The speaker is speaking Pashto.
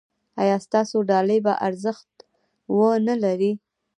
ایا ستاسو ډالۍ به ارزښت و نه لري؟